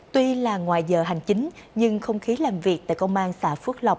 tuy là ngoài giờ hành chính nhưng không khí làm việc tại công an xã phước lộc